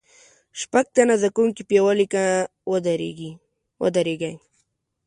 شپږ تنه زده کوونکي په یوه لیکه ودریږئ.